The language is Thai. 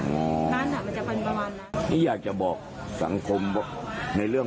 มันมีส่วนกระทบอย่างมากเลย